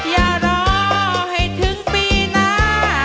อย่ารอให้ถึงปีหน้า